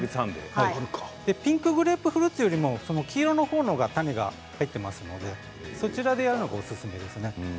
ピンクグレープフルーツよりも黄色の方が種が入ってますのでそちらもおすすめです。